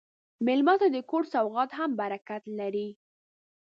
مېلمه ته د کور سوغات هم برکت لري.